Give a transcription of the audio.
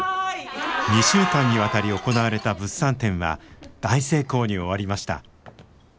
２週間にわたり行われた物産展は大成功に終わりました。